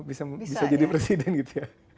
bisa jadi presiden gitu ya